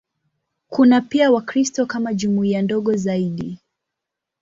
Kuna pia Wakristo kama jumuiya ndogo zaidi.